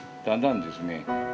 だんだんですね